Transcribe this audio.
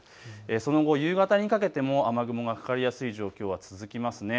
その後、夕方にかけても雨雲がかかりやすい状況は続きます。